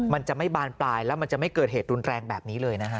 มันจะไม่บานปลายแล้วมันจะไม่เกิดเหตุรุนแรงแบบนี้เลยนะฮะ